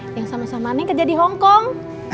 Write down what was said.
yang sama sama nih kerja di hongkong